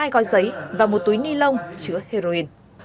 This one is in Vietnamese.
một mươi hai coi giấy và một túi ni lông chứa heroin